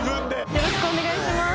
よろしくお願いします